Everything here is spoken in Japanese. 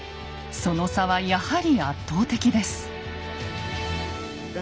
その差はやはり圧倒的です。